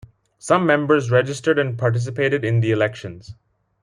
Some members registered and participated in the elections.